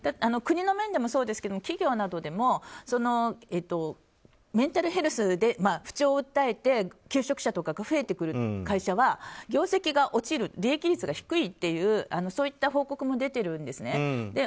国の面でもそうですけど企業などでもメンタルヘルスで不調を訴えて休職者とかが増えてくる会社は業績が落ちる利益率が低いっていうそういった報告も出ているんですね。